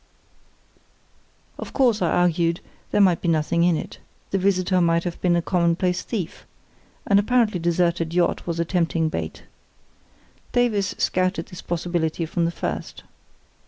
Of course, I argued, there might be nothing in it. The visitor might have been a commonplace thief; an apparently deserted yacht was a tempting bait. Davies scouted this possibility from the first.